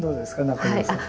中條さん。